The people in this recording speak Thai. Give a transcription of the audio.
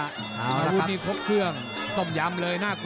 สวยงามเกือบขึ้นคอ